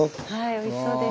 おいしそうです。